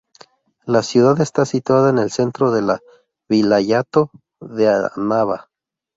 La ciudad está situada en el centro de la vilayato de Annaba.